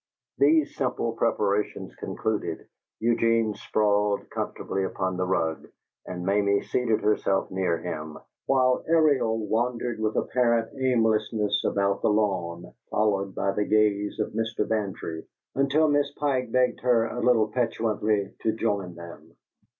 These simple preparations concluded, Eugene sprawled comfortably upon the rug, and Mamie seated herself near him, while Ariel wandered with apparent aimlessness about the lawn, followed by the gaze of Mr. Bantry, until Miss Pike begged her, a little petulantly, to join them.